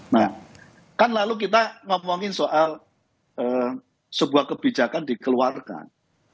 nah kan lalu kita ngomongin soal sebuah kebijakan dikeluarkan